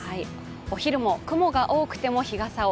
お昼も雲が多くても日傘を。